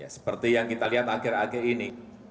seperti yang kita lihat akhir akhir ini